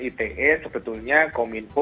ite sebetulnya kominfo